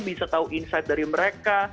bisa tahu insight dari mereka